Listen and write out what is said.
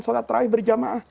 sholat teraweh berjamaah